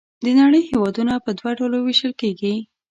د نړۍ هېوادونه په دوه ډلو ویشل کیږي.